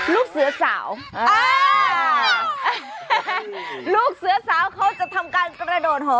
ลูกเสือสาวเขาจะทำการกระโดดหอ